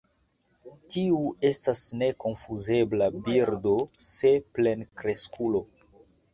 Tiu estas nekonfuzebla birdo se plenkreskulo.